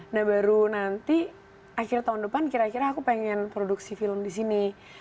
nah baru nanti akhir tahun depan kira kira aku pengen produksi film di sini